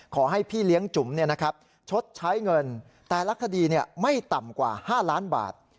ขอให้พี่เลี้ยงจุ๋มชดใช้เงินแต่ละคดีไม่ต่ำกว่า๕ล้านบาท